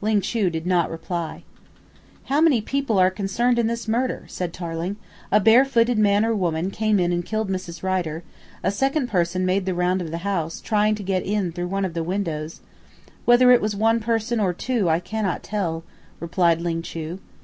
Ling Chu did not reply. "How many people are concerned in this murder?" said Tarling. "A bare footed man or woman came in and killed Mrs. Rider; a second person made the round of the house, trying to get in through one of the windows " "Whether it was one person or two I cannot tell," replied Ling Chu.